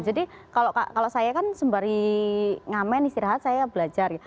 jadi kalau saya kan sembari ngamen istirahat saya belajar